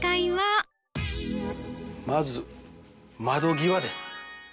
まず窓際です。